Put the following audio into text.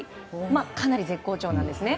かなり絶好調なんですね。